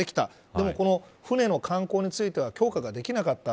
でも、船の観光船については強化ができなかった。